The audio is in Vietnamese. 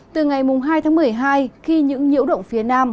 từ ngày hai tháng một mươi hai khi những nhiễu động phía nam